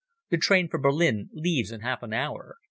The train for Berlin leaves in half an hour.